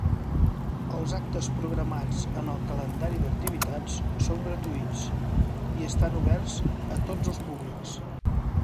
Els actes programats en el Calendari d'activitats són gratuïts i estan oberts a tots els públics.